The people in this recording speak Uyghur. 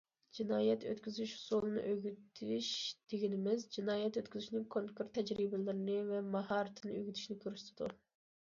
جىنايەت ئۆتكۈزۈش ئۇسۇلىنى ئۆگىتىش دېگىنىمىز، جىنايەت ئۆتكۈزۈشنىڭ كونكرېت تەجرىبىلىرىنى ۋە ماھارىتىنى ئۆگىتىشنى كۆرسىتىدۇ.